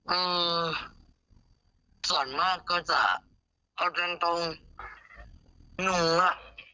อืมส่วนมากก็จะเอาตรงตรงหนูอ่ะ